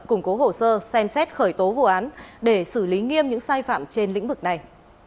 củng cố hồ sơ xem xét khởi tố vụ án để xử lý nghiêm những sai phạm trên lĩnh vực này